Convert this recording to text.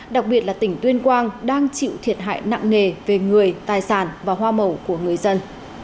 đặc biệt là tỉnh tuyên quang đang chịu thiệt hại nặng nề về người tài sản và hoa màu của người dân